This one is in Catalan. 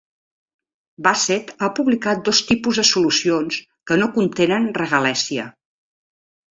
Bassett ha publicat dos tipus de solucions que no contenen regalèssia.